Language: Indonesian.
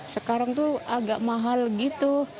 sekarang tuh agak mahal gitu